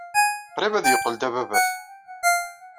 Qrib ad yeqqel d ababat.